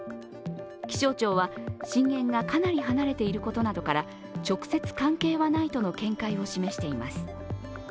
気象庁は、震源がかなり離れていることなどから直接関係はないとの見解を示しています。